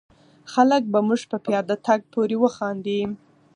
خلک به زموږ په پیاده تګ پورې وخاندي.